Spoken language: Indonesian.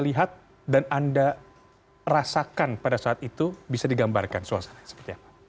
lihat dan anda rasakan pada saat itu bisa digambarkan suasana seperti apa